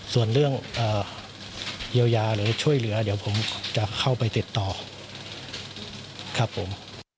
ส่วนเรื่องเยียวยาหรือช่วยเหลือเดี๋ยวผมจะเข้าไปติดต่อครับผม